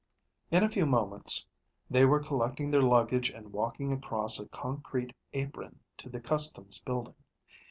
In a few moments they were collecting their luggage and walking across a concrete apron to the customs building.